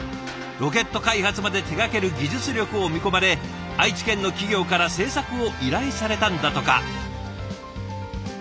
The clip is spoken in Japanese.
ロケット開発まで手がける技術力を見込まれ愛知県の企業から制作を依頼されたんだとか。